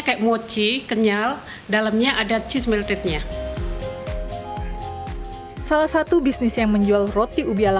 kayak mochi kenyal dalamnya ada cheese milted nya salah satu bisnis yang menjual roti ubi ala